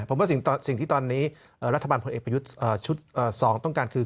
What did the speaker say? ผมว่าสิ่งที่ตอนนี้รัฐบาลพลเอกประยุทธ์ชุด๒ต้องการคือ